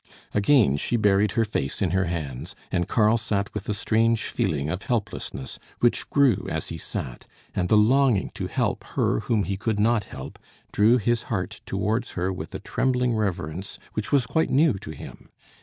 Again she buried her face in her hands; and Karl sat with a strange feeling of helplessness, which grew as he sat; and the longing to help her whom he could not help, drew his heart towards her with a trembling reverence which was quite new to him.